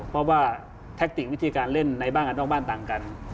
เพราะว่าแท็กติกวิธีการเล่นในบ้านกันนอกบ้านต่างกัน